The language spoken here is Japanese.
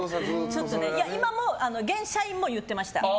今も現社員も言ってました。